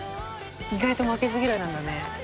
「意外と負けず嫌いなんだね」